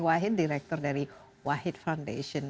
wahid direktur dari wahid foundation